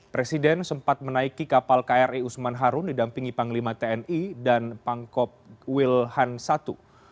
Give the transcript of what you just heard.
presiden sempat menaiki kapal kri usman harun didampingi panglima tni dan pangkop wilhan i